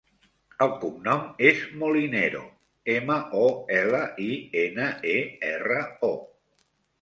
El cognom és Molinero: ema, o, ela, i, ena, e, erra, o.